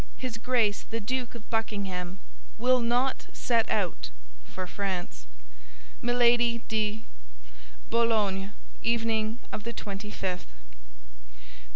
His Grace the Duke of Buckingham will not set out for France. "MILADY DE —— "BOULOGNE, evening of the twenty fifth.